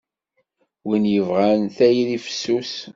Win yebɣan tayri fessus.